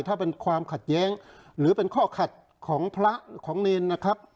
ถ้าเป็นความขัดแย้งหรือเป็นข้อขัดของพระของเนรนะครับ